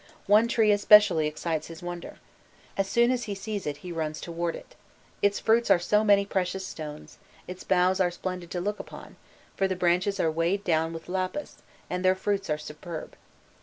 One tree especially excites his wonder: "As soon as he sees it he runs towards it. Its fruits are so many precious stones, its boughs are splendid to look upon, for the branches are weighed down with lapis, and their fruits are superb."